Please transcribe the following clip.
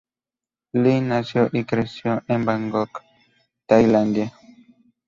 Lee nació y creció en Bangkok, Tailandia.